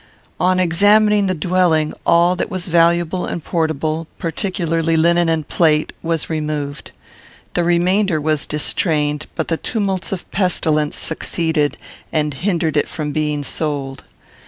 On examining the dwelling, all that was valuable and portable, particularly linen and plate, was removed. The remainder was distrained, but the tumults of pestilence succeeded and hindered it from being sold.